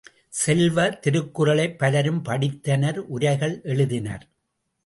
செல்வ, திருக்குறளைப் பலரும் படித்தனர் உரைகள் எழுதினர்.